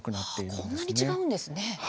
こんなに違うんですね。